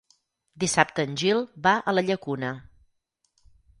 Dissabte en Gil va a la Llacuna.